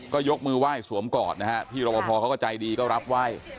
ก็ยกมือไหว้สวมกอดนะฮะพี่รบพอเขาก็ใจดีก็รับไหว้